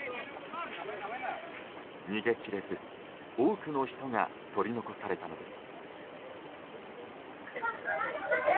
逃げきれず、多くの人が取り残されたのです。